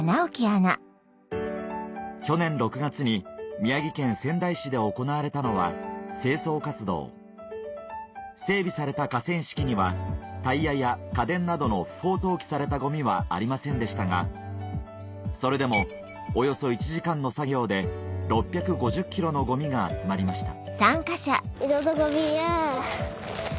去年６月に宮城県仙台市で行われたのは清掃活動整備された河川敷にはタイヤや家電などの不法投棄されたゴミはありませんでしたがそれでもおよそ１時間の作業で６５０ｋｇのゴミが集まりました